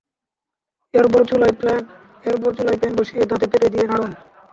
এরপর চুলায় প্যান বসিয়ে তাতে পেঁপে দিয়ে নাড়ুন।